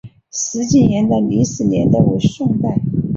石井岩的历史年代为宋代。